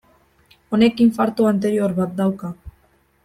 Honek infarto anterior bat dauka.